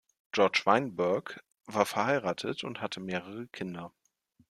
George Weinberg war verheiratet und hatte mehrere Kinder.